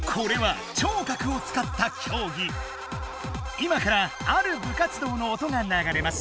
今からある部活動の音がながれます。